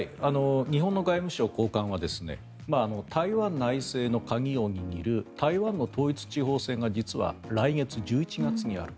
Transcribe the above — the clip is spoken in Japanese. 日本の外務省高官は台湾内政の鍵を握る台湾の統一地方選が実は来月、１１月にある。